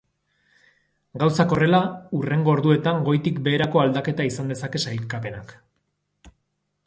Gauzak horrela, hurrengo orduetan goitik beherako aldaketa izan dezake sailkapenak.